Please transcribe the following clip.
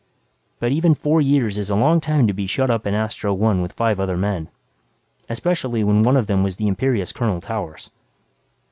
But even four years is a long time to be shut up in Astro One with five other men, especially when one of them was the imperious Colonel Towers.